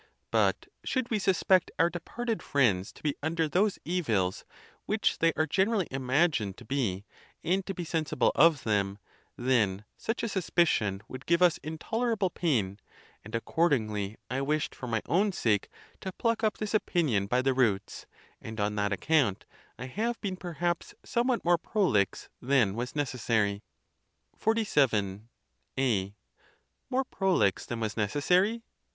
But should we suspect our de parted friends to be under those evils, which they are gen erally imagined to be, and to be sensible of them, then such a suspicion would give us intolerable pain; and according ly I wished, for my own sake, to pluck up this opinion by the roots, and on that account I have been perhaps some what more prolix than was necessary. XLVII. A. More prolix than was necessary?